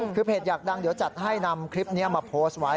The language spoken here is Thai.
คือเพจอยากดังเดี๋ยวจัดให้นำคลิปนี้มาโพสต์ไว้